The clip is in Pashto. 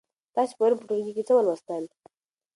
تاسې پرون په ټولګي کې څه ولوستل؟